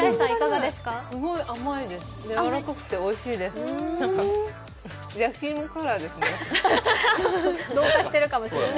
すごい甘いですやわらかくておいしいです、同化してるかも。